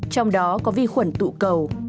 trong đó có vi khuẩn tụ cầu